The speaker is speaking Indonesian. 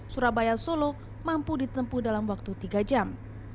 surabaya solo mampu ditempuh dalam waktu tiga jam